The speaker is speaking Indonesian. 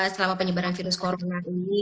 selama penyebaran virus corona ini